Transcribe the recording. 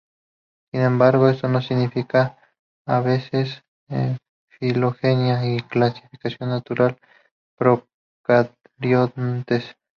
Sin embargo esto no significó avances en filogenia y clasificación natural de procariontes.